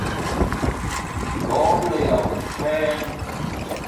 講你又唔聽